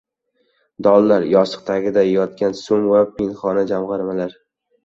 Dollar, yostiq tagida yotgan so‘m va pinhona jamg‘armalar